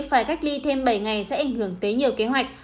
phải cách ly thêm bảy ngày sẽ ảnh hưởng tới nhiều kế hoạch